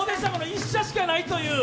１射しかないという。